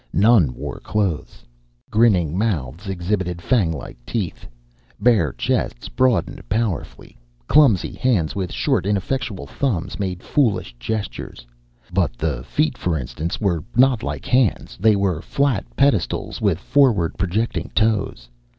None wore clothes. Grinning mouths exhibited fanglike teeth, bare chests broadened powerfully, clumsy hands with short, ineffectual thumbs made foolish gestures. But the feet, for instance, were not like hands, they were flat pedestals with forward projecting toes.